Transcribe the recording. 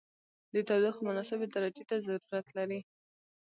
د تودوخې مناسبې درجې ته ضرورت لري.